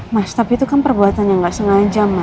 mas tapi itu kan perbuatan yang gak sengaja mas